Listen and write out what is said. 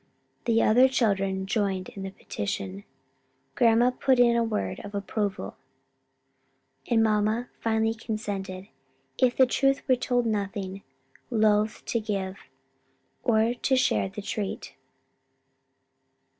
The other children joined in the petition; grandma put in a word of approval, and mamma finally consented, if the truth were told nothing loth to give, or to share the treat.